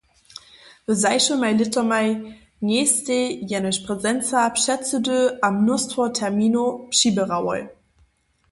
W zašłymaj lětomaj njejstej jenož prezenca předsydy a mnóstwo terminow přiběrałoj.